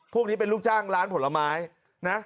พวกนี้เป็นลูกจ้างร้านผลไม้นะ